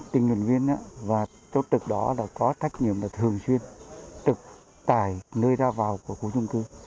tình nguyện viên và chốt trực đó có trách nhiệm là thường xuyên trực tải nơi ra vào của khu trung cư